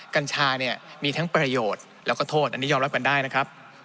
กัญชาเนี่ยมีทั้งประโยชน์แล้วก็โทษอันนี้ยอมรับกันได้นะครับ